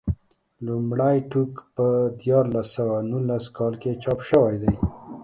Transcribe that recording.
لومړی ټوک په دیارلس سوه نولس کال کې چاپ شوی دی.